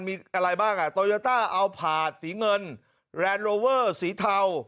มีอะไรบ้างโตยาต้าอัลพาร์ตสีเงินแรนด์โรเวอร์สีเทา